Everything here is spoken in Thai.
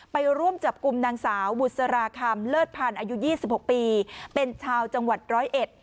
ไปร่วมจับกลุ่มนางสาวบุษราคำเลิศพันธ์อายุยี่สิบหกปีเป็นชาวจังหวัดร้อยเอ็ด